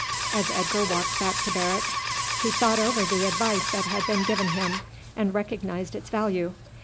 As Edgar walked back to barracks he thought over the advice that had been given him, and recognized its value.